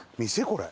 これ。